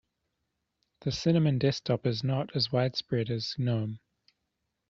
The cinnamon desktop is not as widespread as gnome.